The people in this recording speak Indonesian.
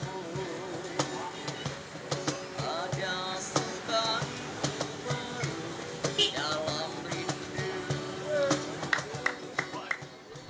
jogja kata semakin megah